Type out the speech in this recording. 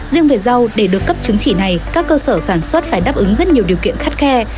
riêng về rau để được cấp chứng chỉ này các cơ sở sản xuất phải đáp ứng rất nhiều điều kiện khắt khe